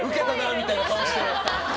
みたいな顔してる。